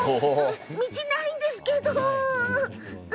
道がないんですけど！